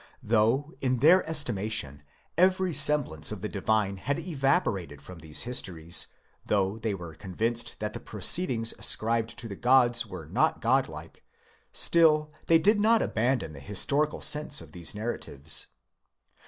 Though, in their estima tion, every semblance of the divine had evaporated from these histories ; though they were convinced that the proceedings ascribed to the gods were not godlike, still they did not abandon the historical sense of these narratives.